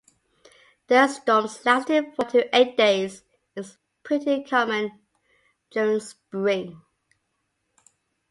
Dust storms lasting four to eight days is pretty common during Spring.